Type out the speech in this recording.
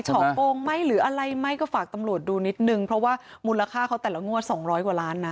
เฉาะโป้งมั้ยหรืออะไรมั้ยก็ฝากตำรวจดูนิดนึงเพราะว่ามูลค่าเขาแต่ละงวด๒๐๐กว่าร้านนะ